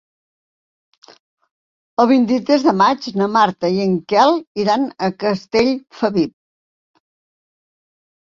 El vint-i-tres de maig na Marta i en Quel iran a Castellfabib.